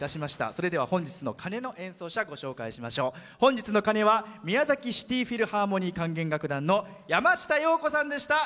それでは本日の鐘の演奏者は宮崎シティフィルハーモニー管弦楽団の山下陽子さんでした。